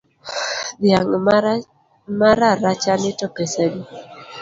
Dhiang’ mararachani to pesadi?